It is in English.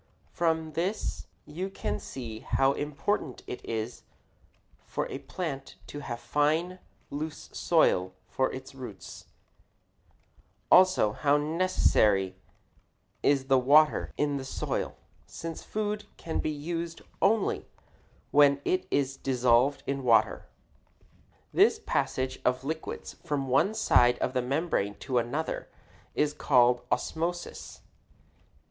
From this you can see how important it is for a plant to have fine, loose soil for its root hairs; also how necessary is the water in the soil, since the food can be used only when it is dissolved in water. This passage of liquids from one side of a membrane to another is called osmosis.